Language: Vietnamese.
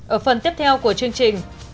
ở phần tiếp theo của chương trình